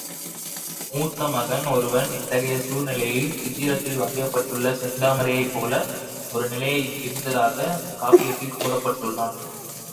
மூத்த மகன் ஒருவன், இத்தகைய சூழ்நிலையில் சித்திரத்தில் வரையப்பட்டுள்ள செந்தாமரையைப் போல ஒரு நிலையில் இருந்ததாகக் காப்பியத்தில் கூறப்பட்டுள்ளான்.